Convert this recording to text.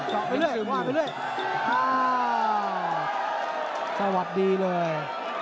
ห้ามสวัสดีเลย